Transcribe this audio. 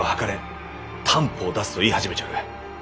担保を出せ」と言い始めちょる。